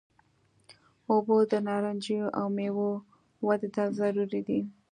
اوبه د نارنجو او میوو ودې ته ضروري دي.